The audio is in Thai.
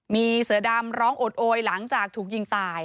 มีเสือดำร้องโอดโอยหลังจากถูกยิงตาย